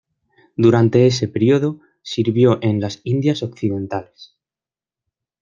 Durante ese período sirvió en las Indias Occidentales.